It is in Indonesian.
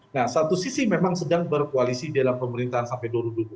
nah satu sisi memang sedang berkoalisi dalam pemerintahan sampai dua ribu dua puluh